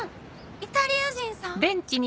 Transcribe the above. イタリア人さん？